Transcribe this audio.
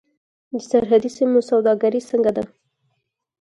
د سرحدي سیمو سوداګري څنګه ده؟